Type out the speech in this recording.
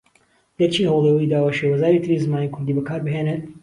گەر چی ھەوڵی ئەوەی داوە شێوەزاری تری زمانی کوردی بەکاربھێنێت